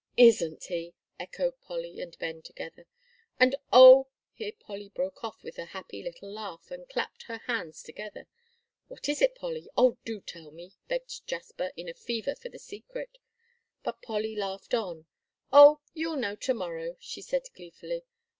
"Isn't he!" echoed Polly and Ben together. "And oh " here Polly broke off with a happy little laugh, and clapped her hands together. "What is it, Polly? Oh, do tell me," begged Jasper, in a fever for the secret. But Polly laughed on. "Oh, you'll know to morrow," she said gleefully.